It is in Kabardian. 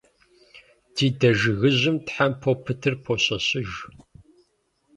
Ди дэ жыгыжьым тхьэмпэу пытыр пощэщыж.